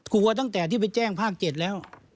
กลัวตั้งแต่ที่ไปแจ้งภาค๗แล้ว